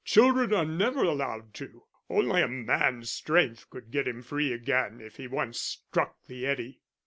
Children are never allowed to. Only a man's strength could get him free again if he once struck the eddy."